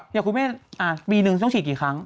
อย่างคุณแม่ปีนึงต้องฉีดกี่ครั้ง